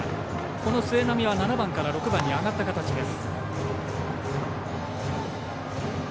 この末浪は７番から６番に上がった形です。